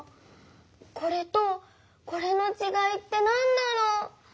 これとこれのちがいってなんだろう？